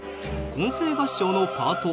混声合唱のパート。